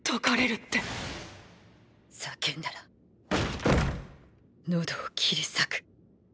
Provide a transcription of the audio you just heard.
叫んだら喉を切り裂く。